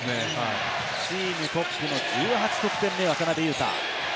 チームトップの１８得点目、渡邊雄太。